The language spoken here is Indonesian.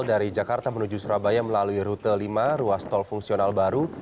dari jakarta menuju surabaya melalui rute lima ruas tol fungsional baru